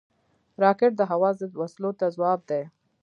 راکټ د هوا ضد وسلو ته ځواب دی